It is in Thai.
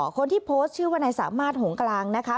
คนที่โพสต์ชื่อว่านายสามารถหงกลางนะคะ